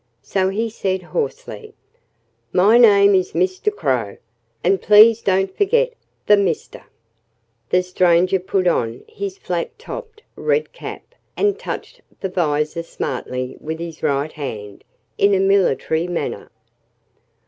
So he said hoarsely: "My name is Mister Crow and please don't forget the Mister." The stranger put on his flat topped red cap and touched the visor smartly with his right hand, in a military manner.